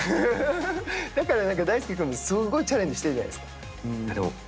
だから大輔君、すごいチャレンジしているじゃないですか。